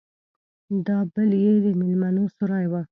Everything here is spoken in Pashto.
دا بل يې د ميلمنو سراى و.